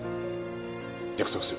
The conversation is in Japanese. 約束する。